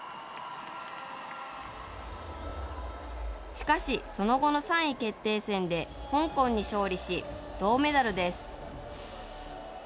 しかし、その後の３位決定戦で香港に勝利し銅メダルです。